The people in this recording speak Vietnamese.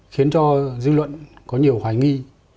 khiến cho dư luận có nhiều hoài nghi